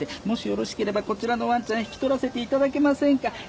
もしよろしければこちらのワンちゃん引き取らせていただけませんか？